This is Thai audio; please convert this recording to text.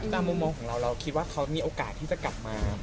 มุมมองของเราเราคิดว่าเขามีโอกาสที่จะกลับมา